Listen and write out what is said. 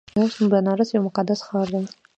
بنارس یو مقدس ښار دی.